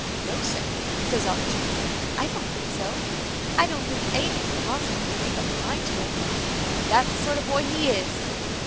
'No, sir,' says Robert to me, 'I don't think so. I don't think anything's impossible if you make up your mind to do it.' That's the sort of boy he is!"